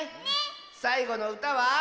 さいごのうたは。